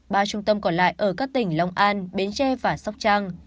ba trung tâm còn lại ở các tỉnh long an bến tre và sóc trăng